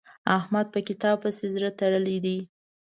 احمد په کتاب پسې زړه تړلی دی.